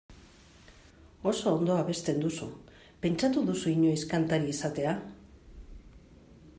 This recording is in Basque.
Oso ondo abesten duzu, pentsatu duzu inoiz kantaria izatea?